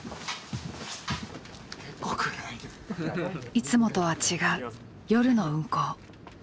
いつもとは違う夜の運行。